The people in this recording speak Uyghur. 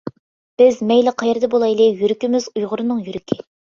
بىز مەيلى قەيەردە بولايلى، يۈرىكىمىز ئۇيغۇرنىڭ يۈرىكى.